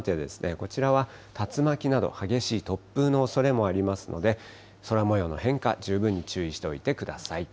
こちらは竜巻など、激しい突風のおそれもありますので、空もようの変化、十分注意しておいてください。